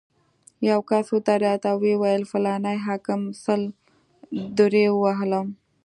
یو کس ودرېد او ویې ویل: فلاني حاکم سل درې ووهلم.